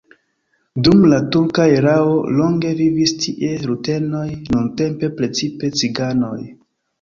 Dum la turka erao longe vivis tie rutenoj, nuntempe precipe ciganoj.